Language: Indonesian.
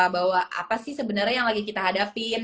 bahwa apa sih sebenarnya yang lagi kita hadapin